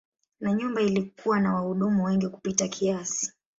Na nyumba ilikuwa na wahudumu wengi kupita kiasi.